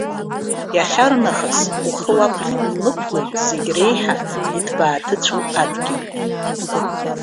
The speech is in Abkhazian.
Иахьарнахыс ухы уақәиҭны унықәлеит зегь реиҳа иҭбааҭыцәу адгьыл!